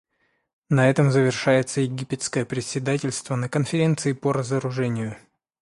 На этом завершается египетское председательство на Конференции по разоружению.